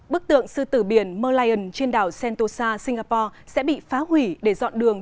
bức tượng sư tử biển morlian trên đảo sentosa singapore sẽ bị phá hủy để dọn đường